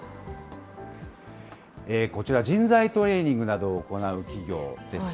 こちら、人材トレーニングなどを行う企業です。